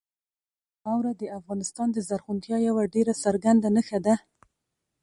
خاوره د افغانستان د زرغونتیا یوه ډېره څرګنده نښه ده.